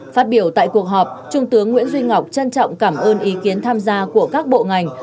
phát biểu tại cuộc họp trung tướng nguyễn duy ngọc trân trọng cảm ơn ý kiến tham gia của các bộ ngành